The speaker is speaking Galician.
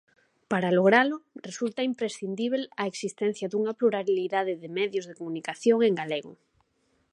Para logralo, resulta imprescindíbel a existencia dunha pluralidade de medios de comunicación en galego.